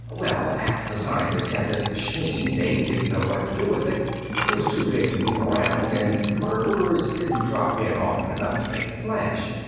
"Well, after the scientists had this machine, they didn't know what to do with it. It was too big to move around, and murderers didn't drop in often enough to make it flash.